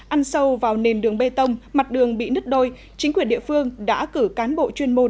ăn sâu vào nền đường bê tông mặt đường bị nứt đôi chính quyền địa phương đã cử cán bộ chuyên môn